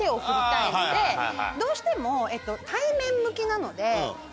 どうしても対面向きなので。